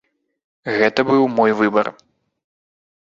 Гэта быў мой выбар.